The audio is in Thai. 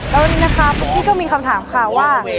และวันนี้นะครับพี่ก็มีคำถามค่ะว่า